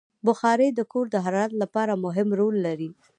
بخاري د کور د حرارت لپاره مهم رول لري.